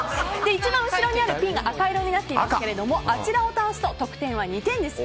一番後ろにあるピンが赤色になっていますがあちらを倒すと得点は２点です。